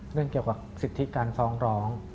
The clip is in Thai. เรื่องเกี่ยวกับสิทธิการฟ้องร้อง